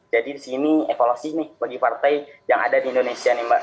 jadi di sini evolusi nih bagi partai yang ada di indonesia mbak